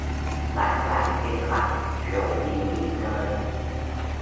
Bàn lại kế hoạch rồi đi nghỉ ngơi